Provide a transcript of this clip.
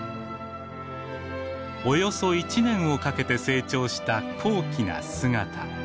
およそ１年をかけて成長した高貴な姿。